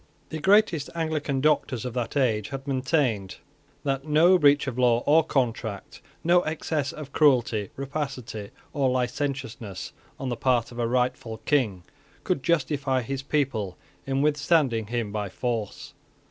The greatest Anglican doctors of that age had maintained that no breach of law or contract, no excess of cruelty, rapacity, or licentiousness, on the part of a rightful King, could justify his people in withstanding him by force.